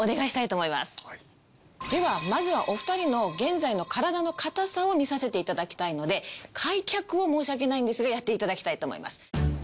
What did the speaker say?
ではまずはお二人の現在の体の硬さを見させていただきたいので開脚を申し訳ないんですがやっていただきたいと思います。